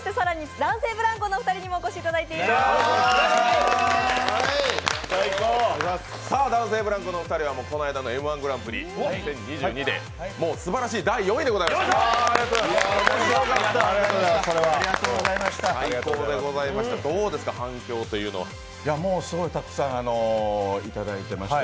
男性ブランコのお二人はこの間の「Ｍ−１グランプリ２０２２」ですばらしい、第４位でございました！